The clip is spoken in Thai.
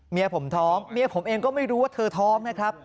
เมียผมท้องเมียผมเองก็ไม่รู้ว่าเธอท้องนะครับ